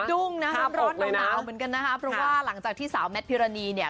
ดุ้งนะครับเหล้าน้อเปิกเนิ้อเหมือนกันนะครับเพราะว่าหลังจากที่สาวแมทเพอร์โรนีเนี่ย